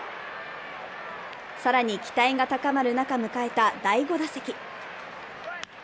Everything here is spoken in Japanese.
更に期待が高まる中、迎えた第５打席。